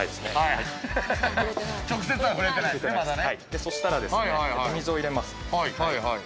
そしたらお水を入れます。